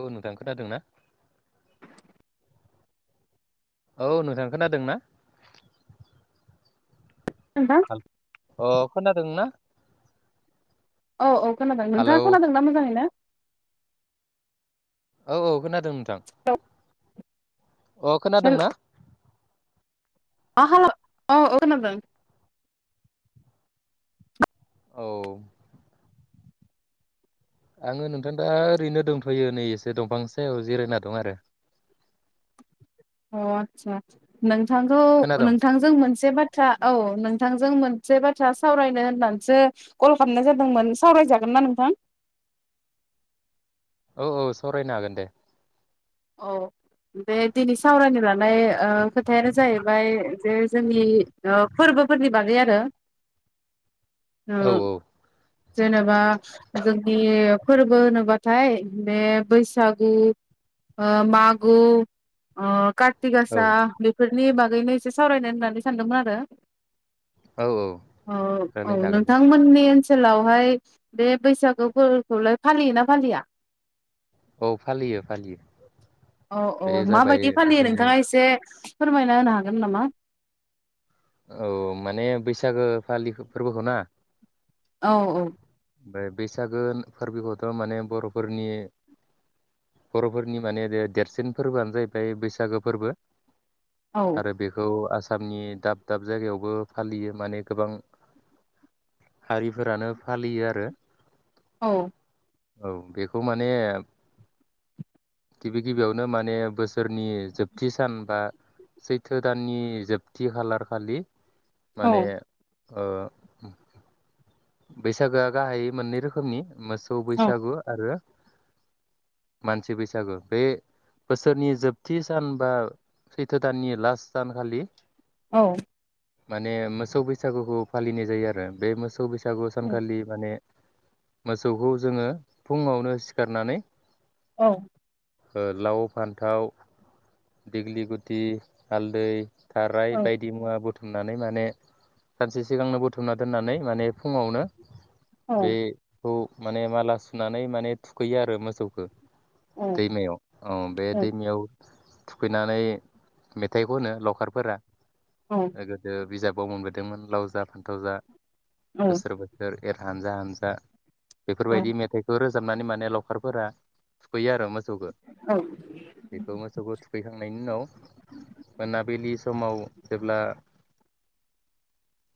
औ नोंथां खोनादोंना? औ नोंथां खोनादोंना। नोंथां अ खोनादों ना? औ औ खोनादों हेलौ नोंथाङा खोनादों ना मोजाङैनो? औ औ खोनादों नोंथां। थां अ खोनादों हेल ना? अ हेल' औ औ खोनादों औ। आङो नोंथां दा ओरैनो दोंथयो नै एसे दंफां सायाव जिरायना दं आरो। अ आतसा नों नोंथांखौ खोनादों नोंथांजों मोनसे बाथ्रा औ नोंथांजों मोन बाथ्रा सावनो होननानैसो कल खालामनाय जादोंमोन सावरायजागोन ना नोंथां? औ औ सावरायनो हागोन दे। औ बे दिनै सावरायनो लादों बाय ओ खोथायानो जाहैबाय जे जोंनि फोरबोफोरनि बागै आरो। औ ओ। औ जेनेबा जोंनि फोरबो होनोब्लाथाय बे बैसागु ओ मागु ओ कार्थि तिक गासा औ बेफोर नि बागैनो एसे सावरायनाय होननानै सानदोंमोन आरो औ औ अ रायलायनो औ हागोन दे नोंथांमोननि ओनसो ओनसोलावहाय बे बैसागो फोरबोखौलाय फालियोना फालिया औ फालियो फालियो औ बे औ जाबाय माबायदि फालियो जोंनि नोंथाङा एसे फोरमायना होनो हागोन नामा औ माने बैसागो फालि फोरबोखौ ना औ औ ओमफ्राय बैसागो फोरबोखौथ' माने बर'फोरनि बर'फोरनि माने देरसिन फोरबोआनो जाहैबाय बैसागो फोरबो औ आरो बेखौ आसाम आसामनि दाब दाब जायगायावबो फालियो माने गोबां हारिफोरानो फालियो आरो औ औ बेखौ माने गिबि गिबियावनो माने बोसोरनि जोबथि सान बा सैथो दाननि जोबथि खालार खालि औ माने ओ बैसागोआ गाहाय मोननै रोखोमनि मोसौ बैसागु आरो मानसि बैसागु बे बोसोरनि जोबथि सान बा सैथो दाननि लास्ट सानखालि औ माने मोसौ बैसागुखौ फालिनाय जायो आरो बे मोसौ बैसागु सागु सानखालि माने मोसौखौ जोङो फुङावनो सिखारनानै औ ओ लाव फान्थाव दिग्लि गुदि हालदै थाराय औ बायदि मुवा बो थुमनानै माने सानसे सिगांनो बुथुमना दोननानै माने फुङावनो औ बे खौ माने माला सुनानै माने थुखैयो आरो मोसौखो औ दैमायाव औ बे दैमायाव थुखैनानै मेथाइ खनो लाउखारफोरा औ ओ गोदो बिजाब बाव मोनबाथाय लाव जा फान्थाव जा बोसोर बोसोर एर हानजा हानजा बेफोरबायदि मेथाइखौ रोज रोजाबनानै माने लावखारफोरा थुखैयो आरो। मोसौखौ बेखौ मोसौखौ थुखैखांनायनि उनाव मोनाबिलि समाव जेब्ला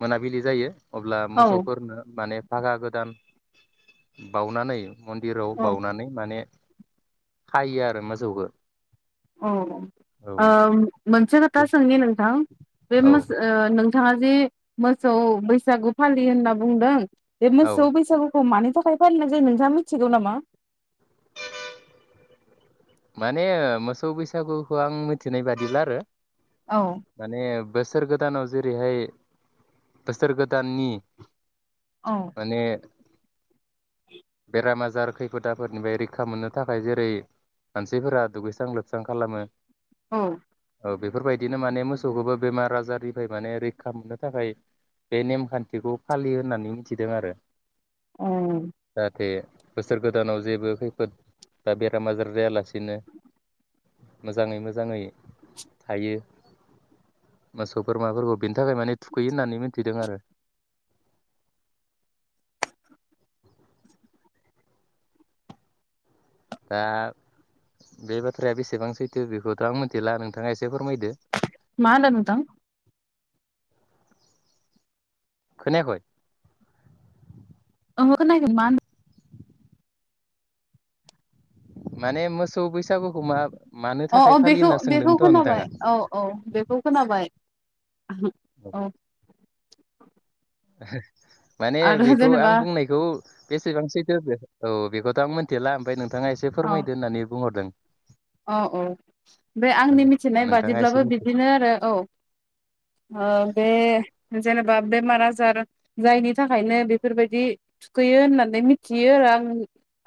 मोनाबिलि जायो अब्ला औ मोसौफोरनो माने थाखा गोदान बाउनानै मन्दिराव औ बावनानै माने हायो आरो मोजौखौ। औ आ मोनसे खोथा सोंनि नोंथां बे औ मोसौ ओ थाङा जे मोसौ बैसागु फालियो होनना बुंदों बे औ मोसौ बेैसागुखौ मानि था थाखाय फालिनाय जायो नोंथाङा मिथिगौ नामा? माने मोसौ बैसागुखौ आं मिथिनाय बादिब्ला आरो औ माने बोसोर गोदानाव जेरैहाय बोसोर गोदाननि औ माने बेराम आजार खैफोदाफोरनिफ्राय रैखा मोननो थाखाय जेरै मानसिफोरा दुगैस्रां लोबस्रां खालामो औ। बेफोरबायदिनो माने मोसौखौबो बेमार आजारनिफ्राय माने रैखा मोननो थाखाय बे नेमखान्थिखौ फालियो होननानै मिथिदों आरो। औ। जाहाथे बोसोर गोदानाव जेबो खैफोद बा बेराम आजार जायाला बिसेनो मोजाङै मोजाङै थायो मोसौ बोरमाफोरखौ बेनि थाखाय माने थुखैयो होननानै मिथिदों आरो। दा बे बाथ्राया बेसेबां सैथो बेखौथ' आं मिथिला नोंथाङा एसे फोरमायदो। मा होनदों नोंथां? खोनायाखै? ओंहो खीनायाखै मा मोनदों? माने मोसौ बैसागो अ अ बेखौ बेखौ सोंदोंमोनथ' नोंथाङा खोनाबाय औ औ बेखौ खोनाबाय। औ। [inaudible] माने आरो बेखौ जेनेबा आं बुंनायखौ बेसेबां सैथो औ बेखौथ' आं मिथिला ओमफ्राय नों नोंथाङा एसे औ फोरमायदो होननानै बुंहरदों। औ औ बे आंनि माने मिथिनाय नोंथाङा एसे बादिब्लाबो मिथि बिदिनो आरो औ बे जेनेबा बेमार आजार जायनि थाखायनो बेफोरबायदि थुखैयो होननानै मिथियो आरो आं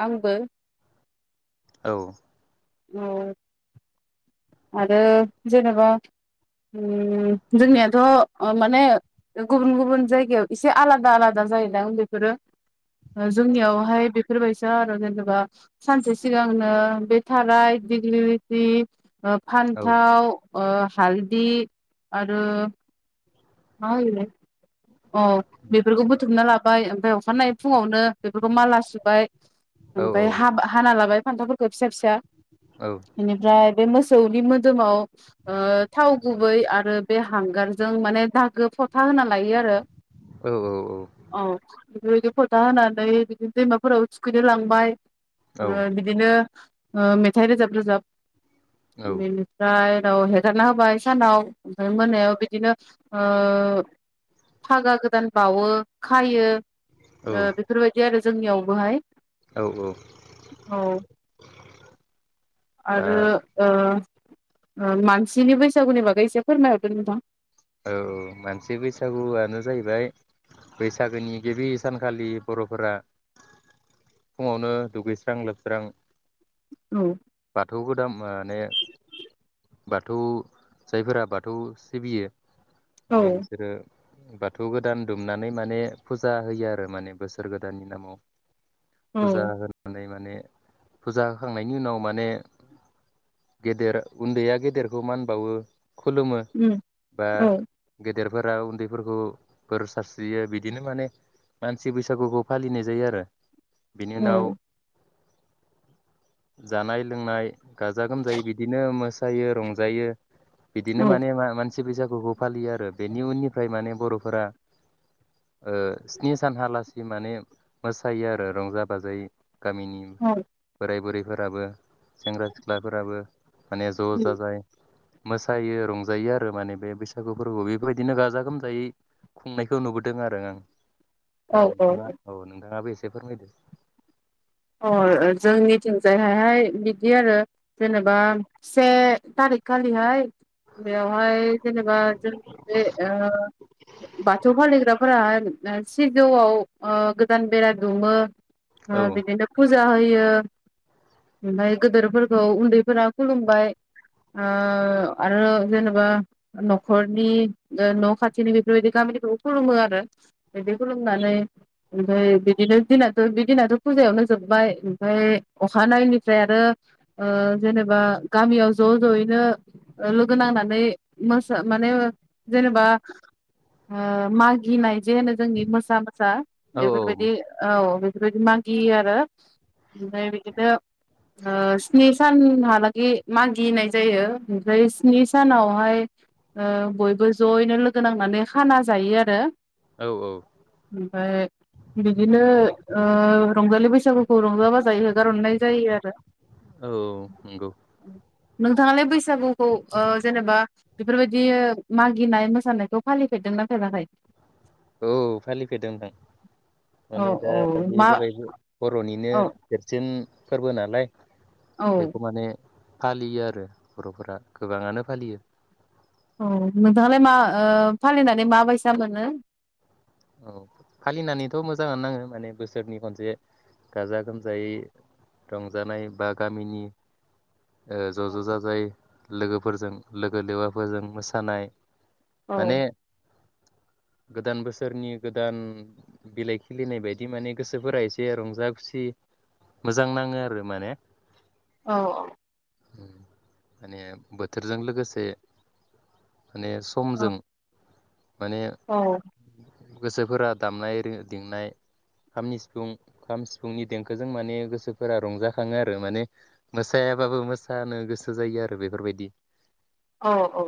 आंबो औ। औ। आरो जेनेबा उम जोंनियाथ' माने गुबुन गुबुन जायगायाव एसे आलादा आलादा जायो बेफोरो जोंनियावहाय बेफोरबायसा आरो जेनेबा सानसे सिगांनो बे थाराय दिघिलिगुति ओ औ फान्थाव अ हालदि आरो मा होयोलै औ बेफोरखौ बुथुमना ला ओमफ्राय अखानायै फुङावनो बेफोरखौ माला सुबाय औ ओमफ्राय हाबा हाना लाबाय। फान्थावफोरखौ फिसा फिसा औ बेनिफ्राय बे मोसौनि मोदोमाव ओ थाव गु गुबै आरो बे हांगारजों माने दागो फथा होना लायो आरो औ औ औ। बेफोरबायदि फथा होनानै बिदिनो दैमाफोराव थुखैनो लांबाय। ओ बिदिनो ओ मेथाइ रोजाब रोजाब। औ बेनिफ्राय उनाव हेगारना होबाय सानाव ओमफ्राय मोनायाव बिदिनो ओ फागा गोदान बावो खायो। औ ओ बेफोरबायदि आरो जोंनियावबोहाय औ दा औ औ आरो ओ ओ मानसिनि बैसागुनि बागै एसे फोरमायहरदो नोंथां। औ औ मोनसे बैसागुआनो जाहैबाय बैसागोनि गिबि सानखालि बर'फोरा फुङावनो दुगैस्रां लोबस्रां। औ। बाथौ गोदान माने बाथौ जायफोरा बाथौ सिबियो औ माने बिसोरो बाथौ गोदान दुमनानै माने फुजा होयो आरो माने बोसोर गोदाननि नामाव औ फुजा होनानै माने माने फुजा होखांनायनि उनाव माने गेदेर उन्दैया गेदेरखौ मान बावो। खुलुमो उम बा औ गे गेदेरफोरा उन्दैफोरखौ बोर सारस्रियो बिदिनो माने मानसि बैसागुखौ फालिनाय जायो आरो बेनि औ उनाव जानाय लोंनाय गाजा गोमजायै बिदिनो मोसायो रंजायो बिदिनो औ माने मा-मानसि बैसागुखौ फालियो आरो बेनि उननिफ्राय माने बर'फोरा ओ स्नि सानहाालासि माने मोसायो आरो रंजा बाजायै गामिनि बोराय बुरै फोराबो सेंग्रा सिख्लाफोराबो माने ज' जाजाय मोसायो रंजायो आरो माने बे बैसागु फोरबोआव बेफोरबायदिनो गाजा गोमजायै खुंनायखौ नुबोदों आरो आं दा नोंथाङा औ नोंथाङा एसे फोरमायदो अ ओ जोंनिथिंजायहायहाय बिदि आरो जेनेबा से थारिख खालिहाय बेयावहाय जेनेबा जोंनि बे ओ बाथौ फालिग्राफोराहाय सिजौआव ओ गोदान बेरा दुमो औ ओ बिदिनो फुजा होयो ओमफ्राय गोदोरफोरखौ उन्दैफोरा खुलुमबाय ओ आरो जेनेबा न'खरनि ओ न' खाथिनि बेफोरबायदि गामिखौबो खुलुमो आरो बिदि खुलुमनानै ओमफ्राय बिदिनो दिनाथ' बि दिनाथ' फुजायावनो जोबबाय ओमफ्राय अखानायैनायनिफ्राय आरो ओ जेनेबा गामियाव ज' ज'यैनो लोगो नांनानै मोसा माने जेनेबा ओ मागिनाय जे होनो जोंनि मोसा मोसा औ बेफोरबायदि औ बेबायदि मागियो आरो ओमफ्राय बिदिनो ओ स्नि सानहालागै मागिनाय जायो ओमफ्राय स्नि सानावहाय ओ बयबो जयैनो लोगो नांनानै खाना जायो आरो औ औ ओमफ्राय बिदिनो ओ रंजालि बैसागु खौ रंजा बाजायै हगारहरनाय जायो आरो औ नंगौ नोंथाङालाय बैसागुखौ ओ जेनेबा बेफोरबायदि मागिनाय मोसानायखौ फालिफेरदोंना फेराखै औ फालिफेरदों नोंथां माने औ दा औ बे मा जाबाय बर'नि नो औ देरसिन फोरबो नालाय औ बेखौ माने फालियो आरो बरफोरा गोबाङानो फालियो औ नोंथाङालाय मा ओ फालिनानै माबायसा मोनो औ फालिनानैथ' मोजाङानो नाङो माने बोसोरनि खनसे गाजा गोमजायै रंजानाय बा गामिनि ओ ज औ ज जाजाय लोगोफोरजों लोगो लेवाफोरजों मोसानाय औ माने गोदान बोस सोरनि गोदान बिलाइ खिलिनाय बायदि माने गोसोफोरा एसे रंजा खुसि मोजां नाङो आरो माने औ माने बोथोरजों लोगोसे माने समजों माने औ गोसोफोरा दामनाय रोङो दिंनाय खामनि सिफुं खाम सिफुंनि देंखोजों माने गोसोफोरा रंजाखाङो आरो माने मोसायाबाबो मोसानो गोसो जायो आरो बेफोरबायदि औ औ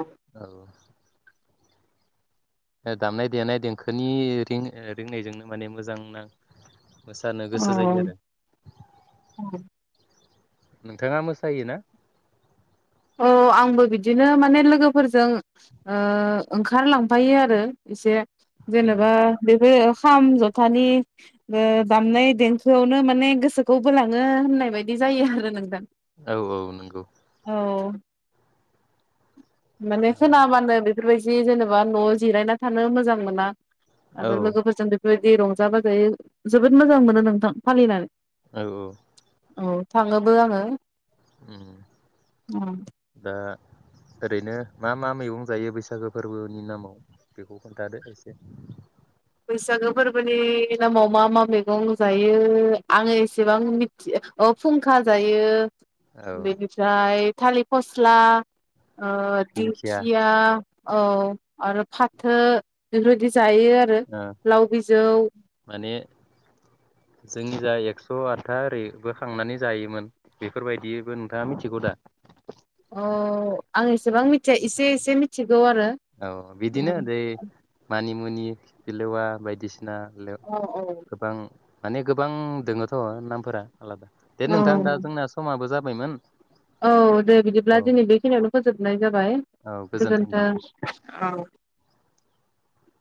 दामनाय देनाय देंखोनि रिं ओ रिंनायजोंनो माने मोजां नां मोसानो गोसो औ जायो आरो औ नोंथाङा मोसायोना औ आंबो बिदिनो माने लोगोफोरजों ओ ओंखारलांफायो आरो एसे जेनेबा बेबो खाम जथानि ओ दामनाय देंखोआवनो माने गोसोखौ बोलाङो होननाय बायदि जायो आरो नोंथां औ औ नंगौ औ माने खोनाबानो बे बेफोरबायदि जेनेबा न'आव जिरायना थानो मोजां मोना औ आरो लोगोफोरजों बे बेबायदि रंजा बाजायै जोबोद मोजां मोनो नोंथां फालिनानै औ औ औ थाङोबो आङो उम ओं दा ओरैनो मा मा मैगं जायो बैसागो फोरबोनि नामाव बेखौ खोन्थादो एसे बैसागो फोरबोनि नामाव मा मा मैगं जायो आङो एसेबां मिथि अ फुंखा जायो औ बेनिफ्राय थालिर फस्ला ओ दिंखिया औ आरो फाथो बेफोरबायदि जायो आरो आ लाव बिजौ माने जोंनि जा एक्स' आटथा ओरैबो खांनानै जायोमोन बेफोरबायदिबो नोंथाङा मिथिगौ दा अ आं एसेबां मिथिया एसे एसे मिथि औ बिदिनो [unintelligible] मानि मुनि फालेवा बायदिसिना औ गोबां माने गोबां दङथ' नामफोरा आलादा दे औ नोंथां दा जोंना समाबो जाबाय [unintelligible] औ दे बिदिब्ला दिनै बेखिनियावनो फोजोबनाय जाबाय औ गोजोन्थों गोजोनथों औ।